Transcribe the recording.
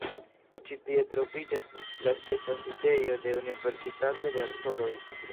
Ĉi tie troviĝas la ĉefa sidejo de Universitato de Acoroj.